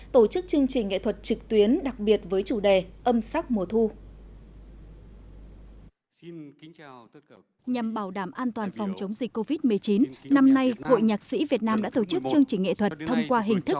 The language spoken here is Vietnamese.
tổ chức chương trình nghệ thuật trực tuyến đặc biệt với chủ đề âm sắc mùa thu